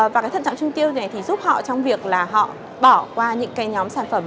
và cái thận chậm trong chi tiêu này thì giúp họ trong việc là họ bỏ qua những cái nhóm sản phẩm